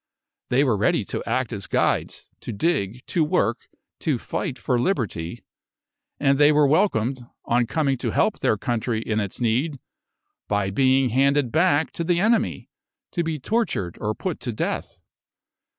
"They were ready to act as guides, to dig, to work, to fight for liberty," and they were welcomed, on coming to help their country in its need, by being handed back to the enemy to be tortured or put to death.